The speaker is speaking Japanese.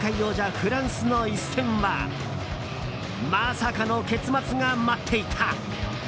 フランスの一戦はまさかの結末が待っていた。